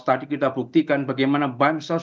tadi kita buktikan bagaimana bansos